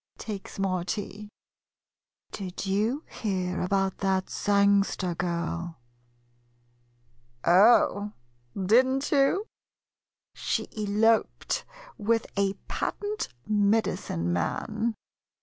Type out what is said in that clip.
[Takes more tea.] Did you hear about that Sangster girl? Oh, did n't you ? She eloped with a patent medicine man.